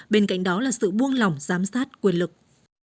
bên cạnh đó là sự buông lỏng giám sát quyền lực